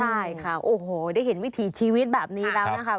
ใช่ค่ะโอ้โหได้เห็นวิถีชีวิตแบบนี้แล้วนะคะ